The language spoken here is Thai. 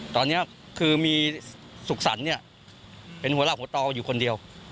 ตอนนี้คือมีสุขสรรค์เนี่ยเป็นหัวเราะหัวตออยู่คนเดียว